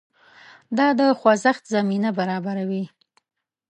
دا د خوځښت زمینه برابروي.